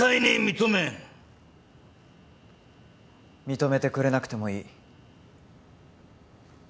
認めてくれなくてもいい。